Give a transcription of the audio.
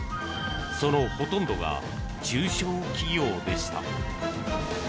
そのほとんどが中小企業でした。